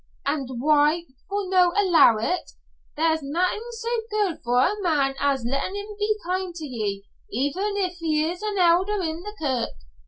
"And why for no allow it? There's naething so good for a man as lettin' him be kind to ye, even if he is an Elder in the kirk.